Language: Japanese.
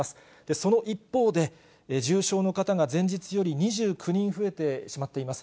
その一方で、重症の方が前日より２９人増えてしまっています。